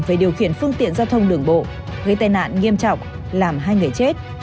về điều khiển phương tiện giao thông đường bộ gây tai nạn nghiêm trọng làm hai người chết